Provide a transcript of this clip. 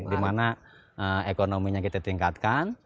dimana ekonominya kita tingkatkan